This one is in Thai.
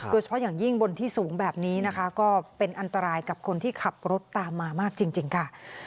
โดยเฉพาะอย่างยิ่งบนที่สูงแบบนี้นะคะก็เป็นอันตรายกับคนที่ขับรถตามมามากจริงค่ะ